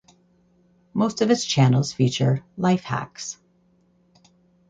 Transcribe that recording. Most of its channels feature "life hacks".